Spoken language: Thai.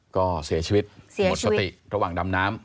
ก็เสียชีวิตหมดสติระหว่างดำน้ำ